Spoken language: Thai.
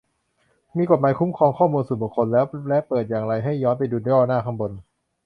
มีกฎหมายคุ้มครองข้อมูลส่วนบุคคลแล้ว และเปิดอย่างไรให้ย้อนไปดูย่อหน้าข้างบน